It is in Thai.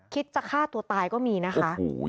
คิดจะฆ่าตัวตายก็มีนะคะ